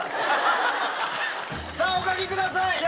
お書きください！